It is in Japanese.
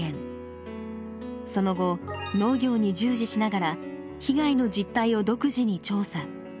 その後農業に従事しながら被害の実態を独自に調査。